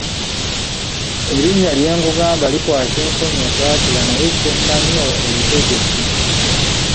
Erinnya lyenkugamba likwasa n'ensonyi okwatula naye kye mmanyi nti olitegedde.